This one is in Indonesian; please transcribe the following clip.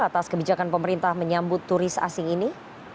atas kebijakan pemerintah menyambut turis asing ini